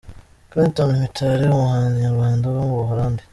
Clenton Mitali umuhanzi nyarwanda uba mu Buholandi.